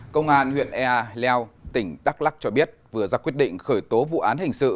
công an huyện ea leo tỉnh đắk lắc cho biết vừa ra quyết định khởi tố vụ án hình sự